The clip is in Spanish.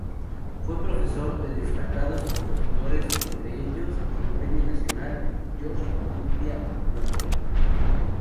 Fue profesor de destacados compositores, entre ellos el Premio Nacional Jorge Urrutia Blondel.